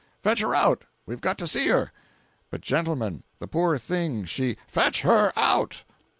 "Fetch her out! We've got to see her!" "But, gentlemen, the poor thing, she—" "FETCH HER OUT!"